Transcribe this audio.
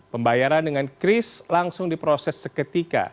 pembayaran dengan kris langsung diproses seketika